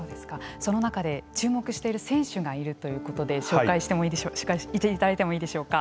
その中で注目している選手がいるということで紹介していただいてもいいでしょうか。